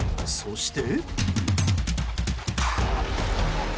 そして。